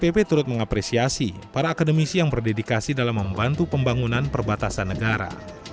bpp turut mengapresiasi para akademisi yang berdedikasi dalam membantu pembangunan perbatasan negara